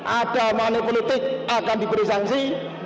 ada manipulitik akan diberi sanksi